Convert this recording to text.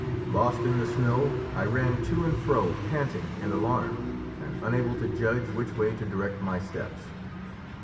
Lost in the snow, I ran to and fro panting and alarmed, and unable to judge which way to direct my steps.